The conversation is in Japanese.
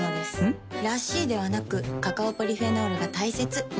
ん？らしいではなくカカオポリフェノールが大切なんです。